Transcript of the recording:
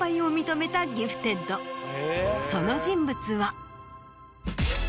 その人物は。